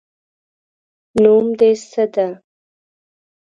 نوم دې څه ده؟